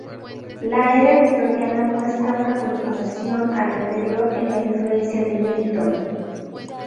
La era victoriana muestra una continuación a la anterior en la influencia de Milton.